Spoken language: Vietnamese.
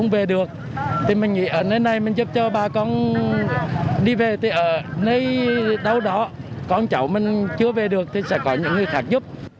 với đâu đó con cháu mình chưa về được thì sẽ có những người khác giúp